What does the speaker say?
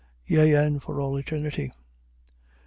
Yea and for all eternity. St.